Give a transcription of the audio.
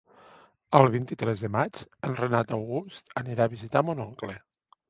El vint-i-tres de maig en Renat August anirà a visitar mon oncle.